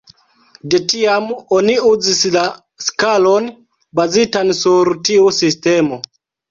De tiam oni uzis la skalon bazitan sur tiu sistemo.